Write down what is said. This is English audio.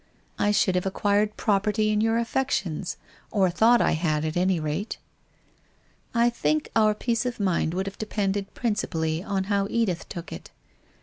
I should have acquired property in your affec tions, or thought I had at any rate. I think our peace of mind would have depended prin cipally on how Edith took it?